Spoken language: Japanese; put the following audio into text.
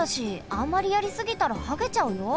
あんまりやりすぎたらはげちゃうよ。